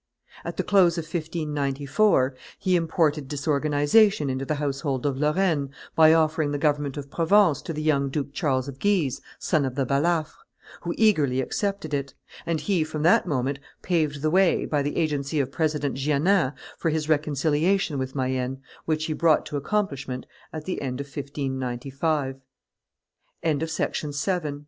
At the close of 1594, he imported disorganization into the household of Lorraine by offering the government of Provence to the young Duke Charles of Guise, son of the Balafre; who eagerly accepted it; and he from that moment paved the way, by the agency of President Jeannin, for his reconciliation with Mayenne, which he brought to accomplishment at the end of 1595. The close of this happy and glori